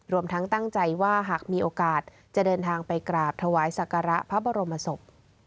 รวมทั้งตั้งใจว่าหากมีโอกาสจะเดินทางไปกราบถวายศักระพระบรมศพ